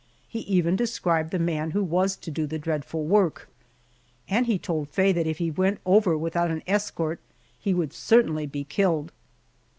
He even described the man who was to do the dreadful work, and he told Faye that if he went over without an escort he would certainly be killed.